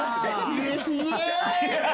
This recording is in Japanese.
うれしげ！